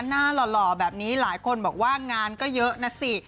หล่อแบบนี้หลายคนบอกว่างานก็เยอะนะสิ